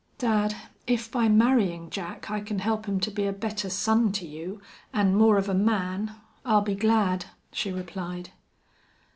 "Dad, if by marrying Jack I can help him to be a better son to you, and more of a man, I'll be glad," she replied.